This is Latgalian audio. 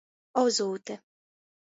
Ozūte.